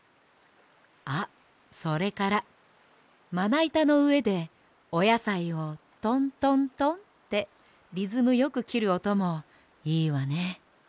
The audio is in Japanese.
あっそれからまないたのうえでおやさいをトントントンってリズムよくきるおともいいわね。